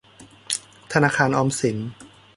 ธนาคารออมสิน